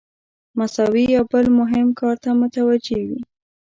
مساوي یو بل مهم کار ته متوجه وي.